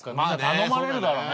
頼まれるだろうね。